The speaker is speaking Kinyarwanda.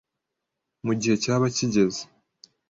mu gihe cyaba kihageze.